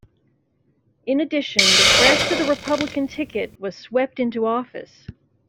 In addition, the rest of the Republican ticket was swept into office.